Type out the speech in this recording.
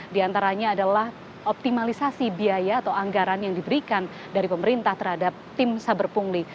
di antaranya adalah optimalisasi biaya atau anggaran yang diberikan dari pemerintah terhadap tim saber pungli